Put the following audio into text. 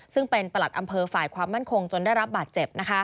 ซึ่งเป็นประหลัดอำเภอฝ่ายความมั่นคงจนได้รับบาดเจ็บ